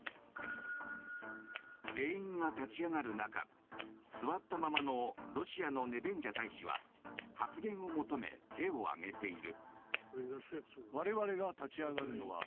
全員が立ち上がる中座ったままのロシアのネベンジャ大使は発言を求め、手を挙げている。